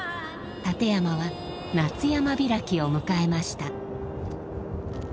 立山は夏山開きを迎えました。